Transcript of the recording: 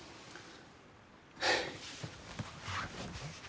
はあ。